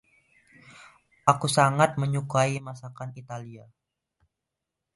Aku sangat menyukai masakan Italia.